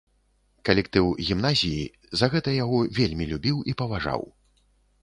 Калектыў гімназіі за гэта яго вельмі любіў і паважаў.